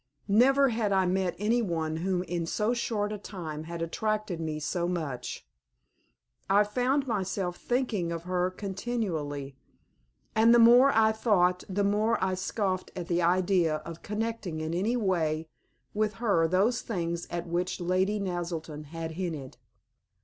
Never had I met any one whom in so short a time had attracted me so much. I found myself thinking of her continually, and the more I thought the more I scoffed at the idea of connecting in any way with her those things at which Lady Naselton had hinted.